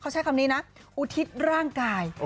เขาใช้คำนี้นะอุทิศร่างกาย